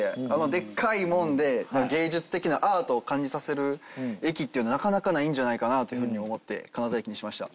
でっかい門で芸術的なアートを感じさせる駅っていうのはなかなかないんじゃないかなという風に思って金沢駅にしました。